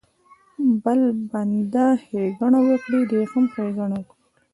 بل بنده ښېګڼه وکړي دی هم ښېګڼه وکړي.